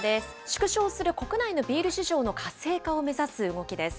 縮小する国内のビール市場の活性化を目指す動きです。